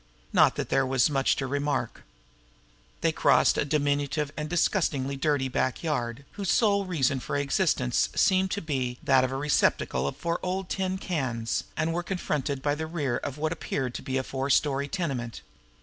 Not that there was much to remark! They crossed a diminutive and disgustingly dirty backyard, whose sole reason for existence seemed to be that of a receptacle for old tin cans, and were confronted by the rear of what appeared to be a four story tenement.